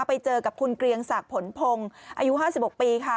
ไปเจอกับคุณเกรียงศักดิ์ผลพงศ์อายุ๕๖ปีค่ะ